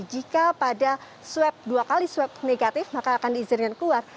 jika pada swab dua kali swab negatif maka akan diizinkan keluar